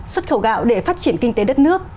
xuất khẩu gạo để phát triển kinh tế đất nước